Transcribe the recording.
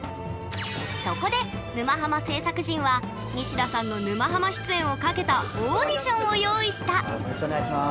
そこで「沼ハマ」制作陣はニシダさんの「沼ハマ」出演をかけたオーディションを用意したよろしくお願いします。